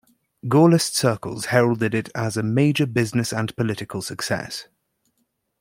Gaullist circles heralded it as a major business and political success.